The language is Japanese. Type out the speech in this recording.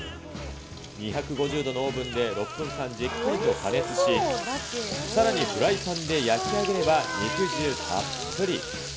２５０度のオーブンで６分間じっくりと加熱し、さらにフライパンで焼き上げれば、肉汁たっぷり。